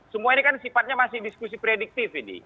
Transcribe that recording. semua ini kan sifatnya masih diskusi prediktif ini